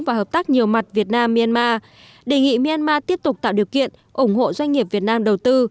và hợp tác nhiều mặt việt nam myanmar đề nghị myanmar tiếp tục tạo điều kiện ủng hộ doanh nghiệp việt nam đầu tư